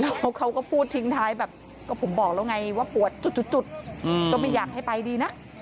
แล้วเขาก็พูดทิ้งท้ายแบบก็ผมบอกแล้วไงว่าปวดจุดก็ไม่อยากให้ไปดีนะ